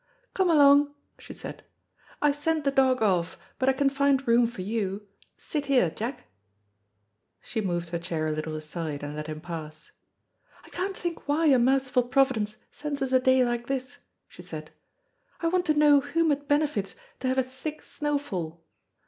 "Come along," she said; "I sent the dog off, but I can find room for you. Sit here, Jack." She moved her chair a little aside, and let him pass. "I can't think why a merciful providence sends us a day like this," she said. "I want to know whom it benefits to have a thick snowfall.